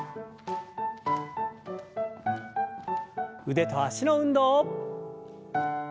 腕と脚の運動。